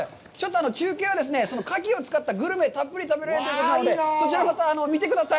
中継はそのカキを使ったグルメ、たっぷり食べられるということなので、そちら、また見てください。